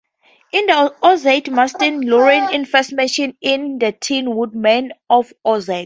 In the Oz mythos, Lurline is first mentioned in "The Tin Woodman of Oz".